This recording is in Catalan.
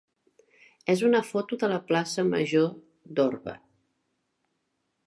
és una foto de la plaça major d'Orba.